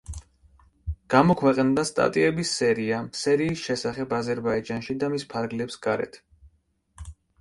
გამოქვეყნდა სტატიების სერია სერიის შესახებ აზერბაიჯანში და მის ფარგლებს გარეთ.